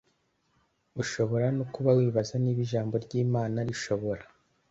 Ushobora no kuba wibaza niba ijambo ry imana rishobora